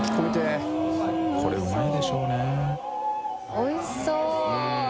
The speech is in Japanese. おいしそう！